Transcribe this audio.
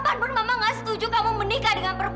pak fadil akan menikahi kamila